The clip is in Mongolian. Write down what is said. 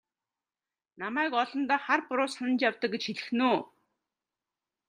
Намайг олондоо хар буруу санаж явдаг гэж хэлэх нь үү?